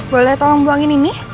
boleh tolong buangin ini